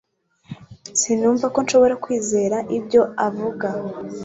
sinumva ko nshobora kwizera ibyo avuga